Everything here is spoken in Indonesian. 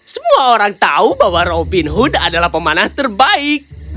semua orang tahu bahwa robin hood adalah pemanah terbaik